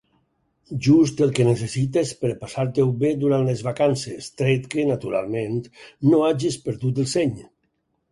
Just el que necessites per passar-t'ho bé durant les vacances, tret que, naturalment, no hagis perdut el seny.